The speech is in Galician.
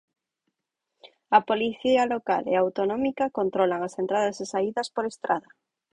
A Policía Local e a Autonómica controlan as entradas e saídas por estrada.